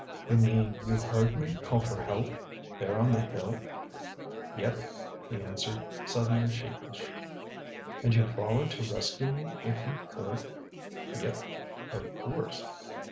"You mean you heard me call for help, there on the hill?" "Yep," he answered, suddenly sheepish. "And you followed to rescue me if you could?" "Yep of course."